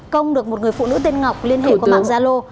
công được một người phụ nữ tên ngọc liên hệ qua mạng zalo